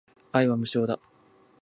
愛は無償だ